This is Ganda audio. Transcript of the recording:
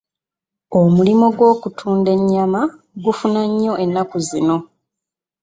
Omulimu gw'okutunda ennyama gufuna nnyo ennaku zino.